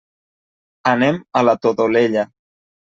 Anem a la Todolella.